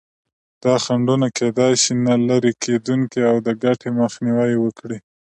دا خنډونه کېدای شي نه لرې کېدونکي او د ګټې مخنیوی وکړي.